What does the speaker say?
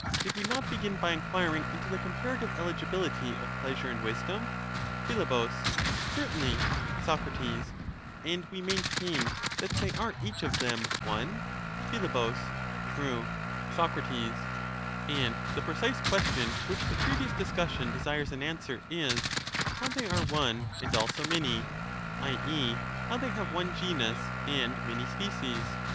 Did we not begin by enquiring into the comparative eligibility of pleasure and wisdom ? Phi, Certainly. Soc, And we maintain that they are each of them one ? Phi, True. Soc, And the precise question to which the previous dis cussion desires an answer is, how they are one and also many [i.